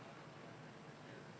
ini empat puluh tujuh negara